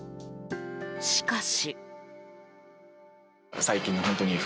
しかし。